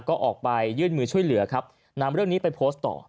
ก็ออกไปยื่นมือช่วยเหลือครับนำเรื่องนี้ไปโพสต์ต่อ